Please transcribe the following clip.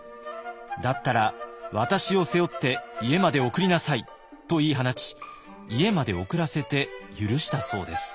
「だったら私を背負って家まで送りなさい」と言い放ち家まで送らせて許したそうです。